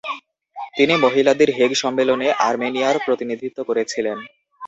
তিনি মহিলাদের হেগ সম্মেলনে আর্মেনিয়ার প্রতিনিধিত্ব করেছিলেন।